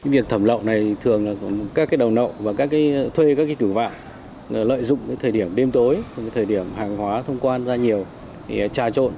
việc thẩm lậu này thường là các đầu nậu và các thuê các chủ vạn lợi dụng thời điểm đêm tối thời điểm hàng hóa thông quan ra nhiều để trà trộn